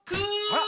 あら？